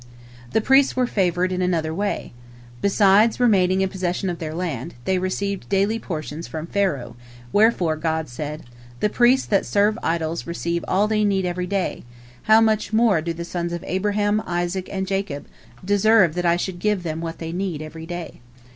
The priests were favored in another way. Beside remaining in possession of their land, they received daily portions from Pharaoh, wherefore God said, "The priests that serve idols receive all they need every day, how much more do the sons of Abraham, Isaac, and Jacob, who are My priests, deserve that I should give them what they need every day."